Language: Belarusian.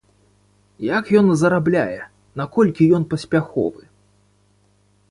Як ён зарабляе, наколькі ён паспяховы?